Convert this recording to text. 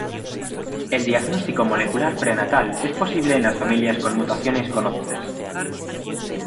El diagnóstico molecular prenatal es posible en las familias con mutaciones conocidas.